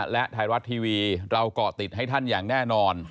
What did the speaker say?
และไทยรัฐทีวีเราเกาะติดให้ท่านอย่างแน่นอน